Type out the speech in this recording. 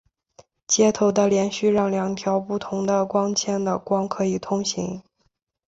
接头的接续让两条不同的光纤的光可以通过。